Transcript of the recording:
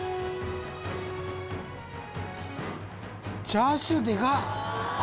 チャーシューでかっ！